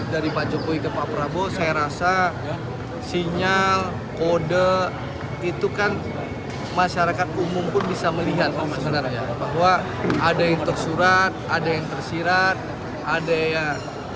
dari pak jokowi ke pak prabowo saya rasa sinyal kode itu kan masyarakat umum pun bisa melihat bahwa ada yang tersurat ada yang tersirat ada yang